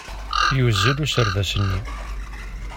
Yuzzel userdas-nni.